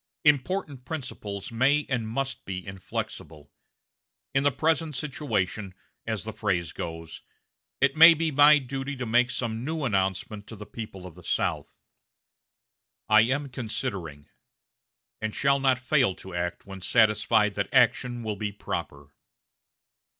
Important principles may and must be inflexible. In the present situation, as the phrase goes, it may be my duty to make some new announcement to the people of the South. I am considering, and shall not fail to act when satisfied that action will be proper."